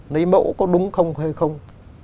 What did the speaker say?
lấy mẫu có đúng không hay không